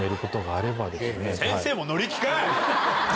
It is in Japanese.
先生も乗り気かい！